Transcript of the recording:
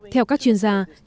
theo các chuyên gia hiệp